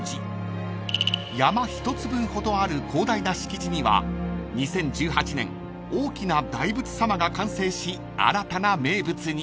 ［山１つ分ほどある広大な敷地には２０１８年大きな大佛さまが完成し新たな名物に］